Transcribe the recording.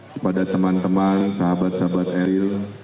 kepada teman teman sahabat sahabat eril